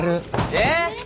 えっ！